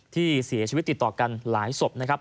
ที่เสียชีวิตติดต่อกันหลายศพนะครับ